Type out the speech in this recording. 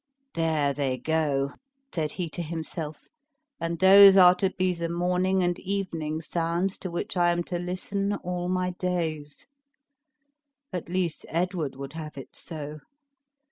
"There they go," said he to himself; "and those are to be the morning and evening sounds to which I am to listen all my days! At least Edward would have it so.